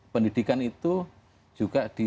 pendidikan itu juga di